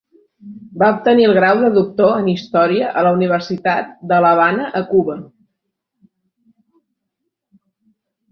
Va obtenir el grau de doctor en Història a la Universitat de l'Havana a Cuba.